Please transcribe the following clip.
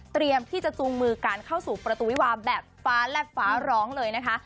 ที่จะจูงมือการเข้าสู่ประตูวิวาแบบฟ้าแลกฟ้าร้องเลยนะคะ